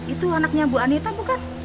itu anaknya bu anita bukan